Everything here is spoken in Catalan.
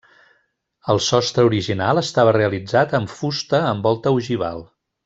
El sostre original estava realitzat en fusta amb volta ogival.